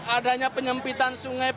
adanya penyempitan sungai